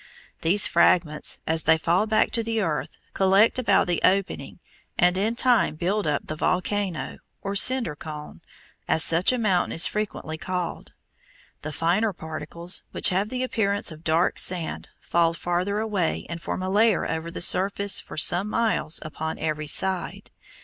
These fragments, as they fall back to the earth, collect about the opening and in time build up the volcano, or cinder cone, as such a mountain is frequently called. The finer particles, which have the appearance of dark sand, fall farther away and form a layer over the surface for some miles upon every side.